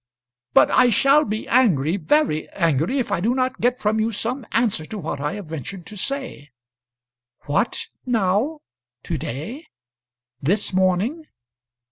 "But I shall be angry very angry if I do not get from you some answer to what I have ventured to say." "What, now; to day; this morning?